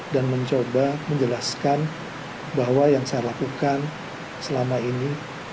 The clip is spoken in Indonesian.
dan mencoba menjelaskan bahwa yang saya lakukan selama ini